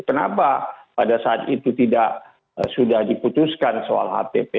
kenapa pada saat itu tidak sudah diputuskan soal hpp